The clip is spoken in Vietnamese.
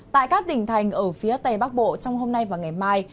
tại các tỉnh thành ở phía tây bắc bộ trong hôm nay và ngày mai